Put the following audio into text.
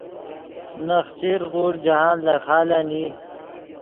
نخچیر غوݰ جاہند لے خالن ای